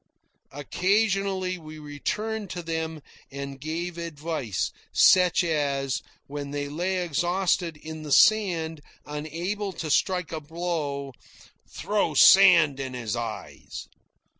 Occasionally we returned to them and gave advice, such as, when they lay exhausted in the sand, unable to strike a blow, "Throw sand in his eyes."